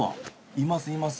いますいます。